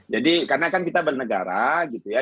jadi karena kan kita bernegara gitu ya